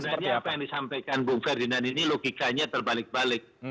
sebenarnya apa yang disampaikan bung ferdinand ini logikanya terbalik balik